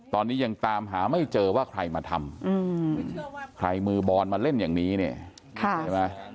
ตอนนี้ยังตามหาไม่เจอว่าใครมาทำใครมือบอลมาเล่นอย่างนี้เนี่ยใช่ไหม